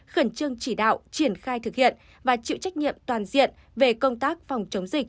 khẩn trương chỉ đạo triển khai thực hiện và chịu trách nhiệm toàn diện về công tác phòng chống dịch